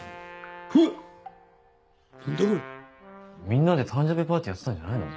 みんなで誕生日パーティーやってたんじゃないの？